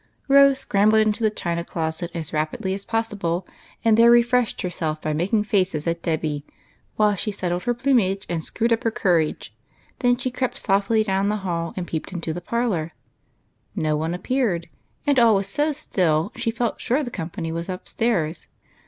ROSE scrambled into the china closet as rapidly as possible, and there refreshed herself by making faces at Debby, while she settled her plumage and screwed up her courage. Then she crept softly down the hall and peeped into the parlor. No one appeared, and all was so still she felt sure the company was up stairs.